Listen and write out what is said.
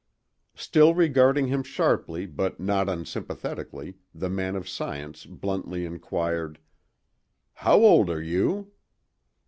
Still regarding him sharply but not unsympathetically the man of science bluntly inquired: "How old are you?"